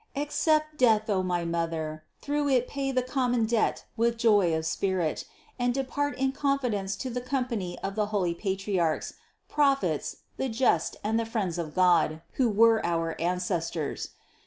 Accept death, O my mother ; through it pay the common debt with joy of spirit, and depart in confidence to the company of the holy Patriarchs, Prophets, the just and the friends of God, who were our ancestors.